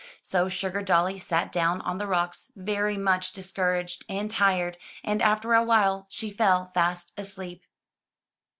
So Sugardolly sat down on the rocks, very much discouraged, and tired, and after a while she fell fast asleep.